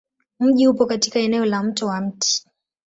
Mji upo katika eneo la Mto wa Mt.